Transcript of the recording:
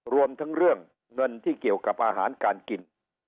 รวมทั้งเรื่องเงินที่เกี่ยวกับอาหารการกิน